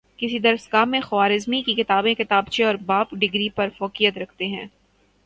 کسی درسگاہ میں خوارزمی کی کتابیں کتابچے اور باب ڈگری پر فوقیت رکھتے ہیں